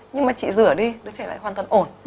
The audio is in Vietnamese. nhưng mà chị rửa đi nó chỉ lại hoàn toàn ổn